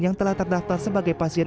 yang telah terdaftar sebagai pasien